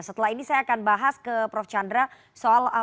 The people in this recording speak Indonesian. setelah ini saya akan bahas ke prof chandra soal